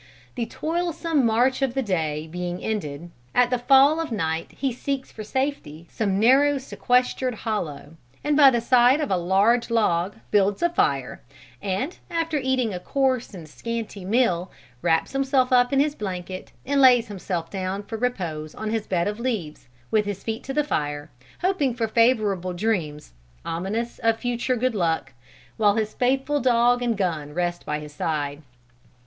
The toilsome march of the day being ended, at the fall of night he seeks for safety some narrow sequestered hollow, and by the side of a large log builds a fire and, after eating a coarse and scanty meal, wraps himself up in his blanket and lays him self down for repose on his bed of leaves, with his feet to the fire, hoping for favorable dreams, ominous of future good luck, while his faithful dog and gun rest by his side.